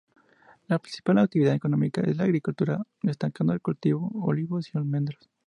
La principal actividad económica es la agricultura, destacando el cultivo de olivos y almendros.